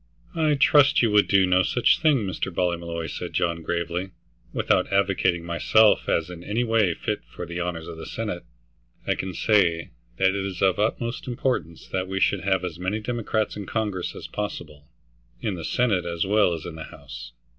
"I trust you would do no such thing, Mr. Ballymolloy," said John gravely. "Without advocating myself as in any way fit for the honors of the Senate, I can say that it is of the utmost importance that we should have as many Democrats in Congress as possible, in the Senate as well as in the House."